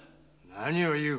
何を言う。